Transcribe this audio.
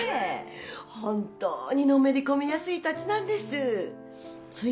本当にのめり込みやすいタチなんですつい